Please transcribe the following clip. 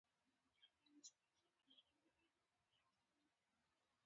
که کتل یې له کلا خلک راوزي